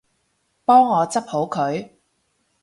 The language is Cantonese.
幫我執好佢